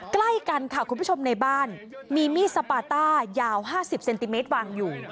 ใกล้กันค่ะคุณผู้ชมในบ้านมีมีดสปาต้ายาว๕๐เซนติเมตรวางอยู่